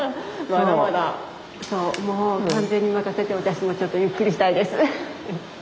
もう完全に任せて私もちょっとゆっくりしたいです。